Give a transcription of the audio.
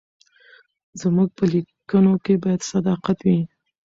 زموږ په لیکنو کې باید صداقت وي.